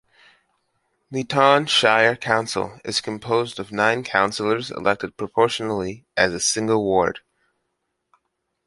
Leeton Shire Council is composed of nine councillors elected proportionally as a single ward.